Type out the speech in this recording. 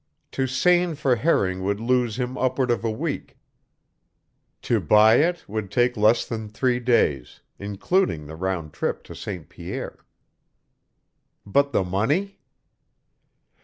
To seine for herring would lose him upward of a week; to buy it would take less than three days, including the round trip to St. Pierre. But the money?